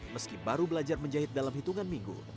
meski baru belajar menjahit dalam hitungan minggu